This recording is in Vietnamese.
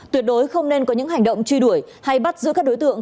tuyệt đối không nên có những hành động truy đuổi hay bắt giữ các đối tượng